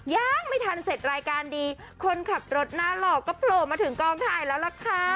ยังไม่ทันเสร็จรายการดีคนขับรถหน้าหล่อก็โผล่มาถึงกองถ่ายแล้วล่ะค่ะ